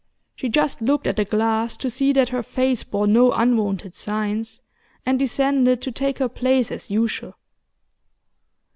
She just looked at the glass to see that her face bore no unwonted signs, and descended to take her place as usual.